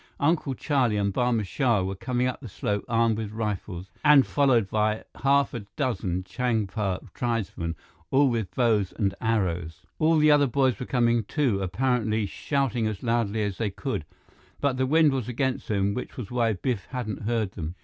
Uncle Charlie and Barma Shah were coming up the slope armed with rifles and followed by half a dozen Changpa tribesmen, all with bows and arrows. All the other boys were coming, too, apparently shouting as loudly as they could, but the wind was against them, which was why Biff hadn't heard them.